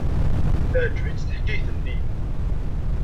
Teɛjeb-itt teḥkayt-nni.